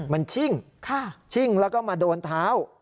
มันชิ่งชิ่งแล้วก็มาโดนเท้า